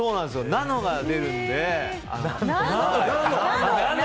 ナノが出るんで。